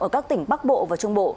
ở các tỉnh bắc bộ và trung bộ